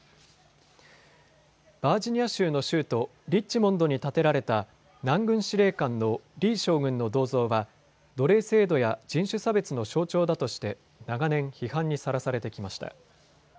バージニア州の州都、リッチモンドに建てられた南軍司令官のリー将軍の銅像は奴隷制度や人種差別の象徴だとして長年、批判にさらされてきました。